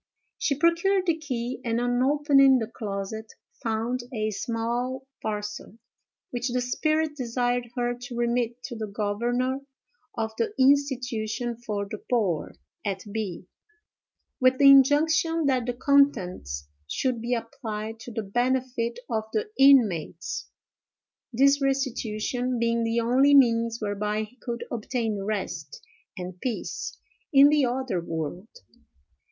She procured the key, and, on opening the closet, found a small parcel, which the spirit desired her to remit to the governor of the institution for the poor, at B——, with the injunction that the contents should be applied to the benefit of the inmates,—this restitution being the only means whereby he could obtain rest and peace in the other world.